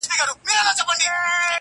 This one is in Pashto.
چي کوچنى و نه ژاړي، مور شيدې نه ورکوي.